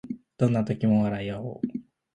どんな時も笑いあおう